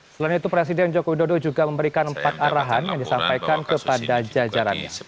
selain itu presiden joko widodo juga memberikan empat arahan yang disampaikan kepada jajarannya